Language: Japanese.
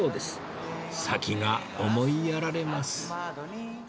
先が思いやられます